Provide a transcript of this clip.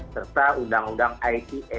serta undang undang ite